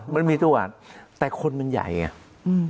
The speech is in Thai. มันมีตลอดแต่คนมันใหญ่อ่ะอืม